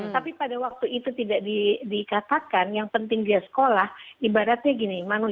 tapi pada waktu itu tidak dikatakan yang penting dia sekolah ibaratnya gini